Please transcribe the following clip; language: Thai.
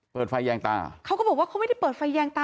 เปิดไฟแยงตาเขาก็บอกว่าเขาไม่ได้เปิดไฟแยงตา